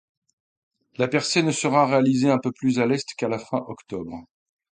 La percée ne sera réalisée un peu plus à l'est qu'à la fin octobre.